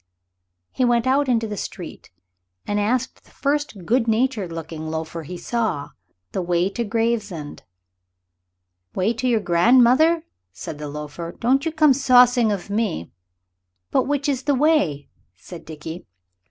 He went out into the street, and asked the first good natured looking loafer he saw the way to Gravesend. "Way to your grandmother," said the loafer; "don't you come saucing of me." "But which is the way?" said Dickie.